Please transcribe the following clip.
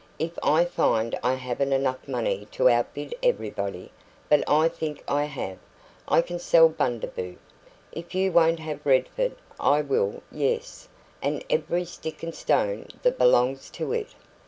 "If I find I haven't enough money to outbid everybody but I think I have I can sell Bundaboo. If you won't have Redford, I will yes, and every stick and stone that belongs to it."